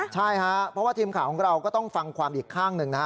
ใช่ครับเพราะว่าทีมข่าวของเราก็ต้องฟังความอีกข้างหนึ่งนะฮะ